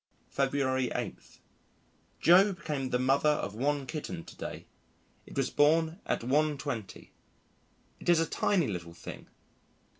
February 8. Joe became the mother of one kitten to day. It was born at 1.20. It is a tiny little thing.